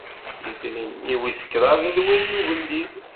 Itri-nni wis kraḍ d win n ugellid.